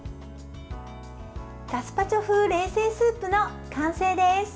ガスパチョ風冷製スープの完成です。